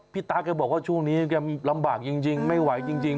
ตาแกบอกว่าช่วงนี้แกลำบากจริงไม่ไหวจริง